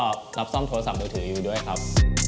เปิดร้านโทรศัพท์มือถือแล้วก็รับซ่อมโทรศัพท์มือถืออยู่ด้วยครับ